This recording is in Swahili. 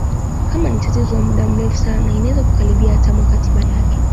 kama ni tatizo la muda mrefu sana inaweza kukaribia hata mwaka tiba yake